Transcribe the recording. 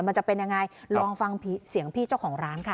มันจะเป็นยังไงลองฟังเสียงพี่เจ้าของร้านค่ะ